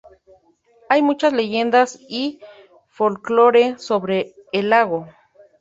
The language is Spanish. Hay muchas leyendas y folklore sobre el lago.